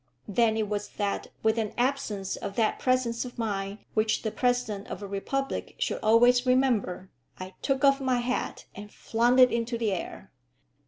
Then it was that, with an absence of that presence of mind which the President of a republic should always remember, I took off my hat and flung it into the air.